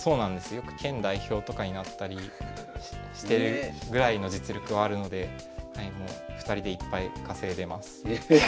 よく県代表とかになったりしているぐらいの実力はあるので２人でいっぱい稼いでます。